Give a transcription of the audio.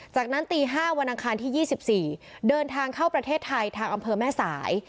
จากนั้นตี๕วันอังคารที่๒๔เดินทางเข้าประเทศไทยทางอำเภอแม่สาย